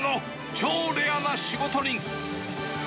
超レアな仕事人。